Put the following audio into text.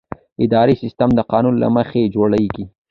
اداري سیستم د قانون له مخې جوړېږي.